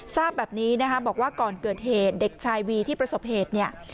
ทราบแบบนี้นะคะบอกว่าก่อนเกิดเหตุเด็กชายวีที่ประสบเหตุเนี่ย